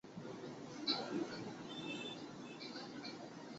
他也没有得到正弦定律。